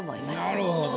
なるほど。